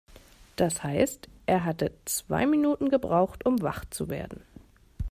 Das heißt, er hatte zwei Minuten gebraucht, um wach zu werden.